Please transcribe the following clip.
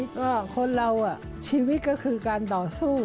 ก็คนเราชีวิตก็คือการต่อสู้